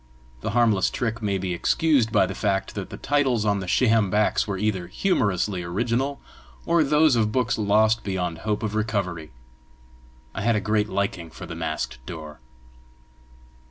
The harmless trick may be excused by the fact that the titles on the sham backs were either humorously original, or those of books lost beyond hope of recovery. I had a great liking for the masked door.